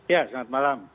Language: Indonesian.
ya selamat malam